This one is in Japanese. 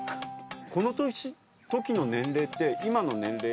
この時の年齢って今の年齢と。